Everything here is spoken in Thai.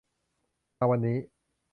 มาวันนี้